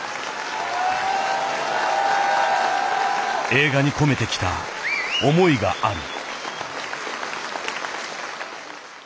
映画に込めてきた思いがある。